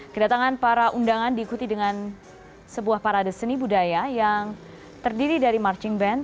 kedatangan para undangan diikuti dengan sebuah parade seni budaya yang terdiri dari marching band